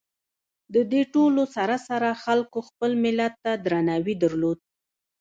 د دې ټولو سره سره خلکو خپل ملت ته درناوي درلود.